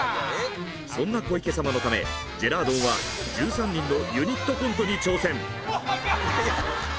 そんな小池様のためジェラードンは１３人のユニットコントに挑戦。